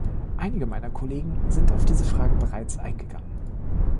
Einige meiner Kollegen sind auf diese Fragen bereits eingegangen.